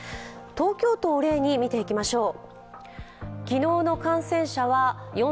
東京都を例に見ていきましょう。